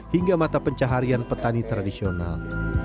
hingga mata pencaharian petani tradisional